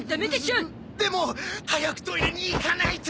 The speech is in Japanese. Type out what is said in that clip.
でも早くトイレに行かないと！